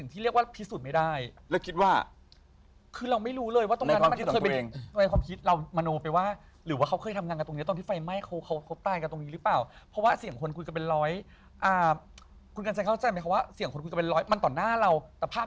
แต่ภาพที่เราเห็นมันเป็นแค่สี่เหลี่ยมกว้างมาก